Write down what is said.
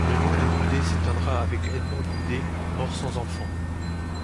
Le nom des Boudets s'éteindra avec Edmond Boudet, mort sans enfants.